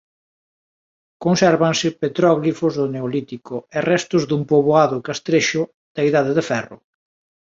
Consérvanse petróglifos do neolítico e restos dun poboado castrexo da idade de ferro.